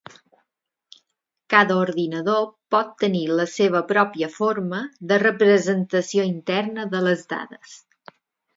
Cada ordinador pot tenir la seva pròpia forma de representació interna de les dades.